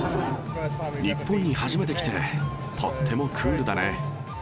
日本に初めて来て、とってもクールだね。